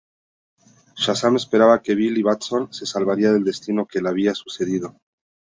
Shazam esperaba que Billy Batson se salvaría del destino que le había sucedido.